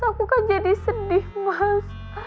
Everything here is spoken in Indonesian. aku kan jadi sedih mas